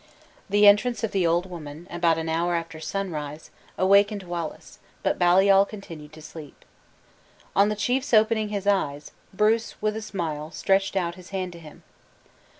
The entrance of the old woman, about an hour after sunrise, awakened Wallace; but Baliol continued to sleep. On the chief's opening his eyes, Bruce with a smile, stretched out his hand to him.